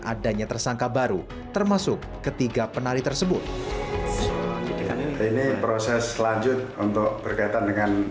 adanya tersangka baru termasuk ketiga penari tersebut ini proses lanjut untuk berkaitan dengan